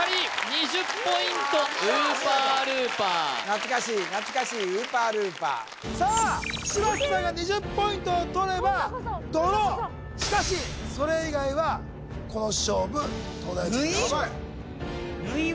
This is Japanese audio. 懐かしい懐かしいウーパールーパーさあ柴田さんが２０ポイントをとればドローしかしそれ以外はこの勝負「ぬい」？